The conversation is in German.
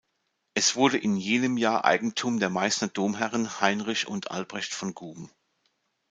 Es wurde in jenem Jahr Eigentum der Meißner Domherren Heinrich und Albrecht von Guben.